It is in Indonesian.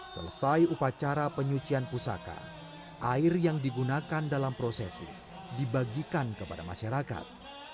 selesai upacara penyucian pusaka air yang digunakan dalam prosesi dibagikan kepada masyarakat